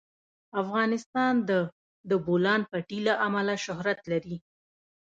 افغانستان د د بولان پټي له امله شهرت لري.